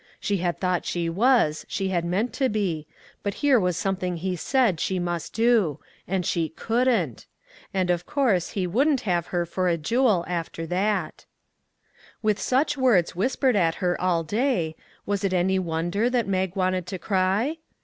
She had thought she was, she had meant to be; but here was something he said she must do, and she couldn't; and of course he wouldn't have her for a jewel after that. 265 MAG AND MARGARET With such words whispered at her all day, was it any wonder that Mag wanted to cry?